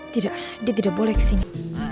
tidak dia tidak boleh ke sini